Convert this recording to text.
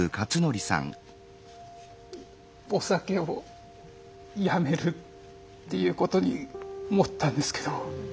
お酒をやめるっていうことに思ったんですけど。